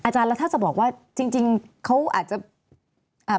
อาจารย์แล้วถ้าจะบอกว่าจริงเขาอาจจะ